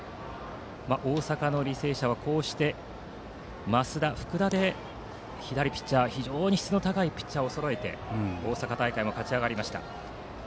大阪の履正社はこうして増田、福田で非常に質の高い左ピッチャーをそろえて大阪大会も勝ち上がりました。